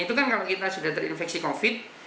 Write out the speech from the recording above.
itu kan kalau kita sudah terinfeksi covid